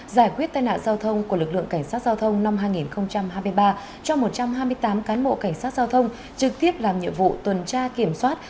giải quyết tai nạn giao thông của lực lượng cảnh sát giao thông năm hai nghìn hai mươi ba cho một trăm hai mươi tám cán bộ cảnh sát giao thông trực tiếp làm nhiệm vụ tuần tra kiểm soát